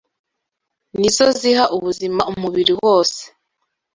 ni zo ziha ubuzima umubiri wose